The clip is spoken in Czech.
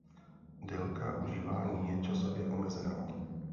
Délka užívání je časově omezena.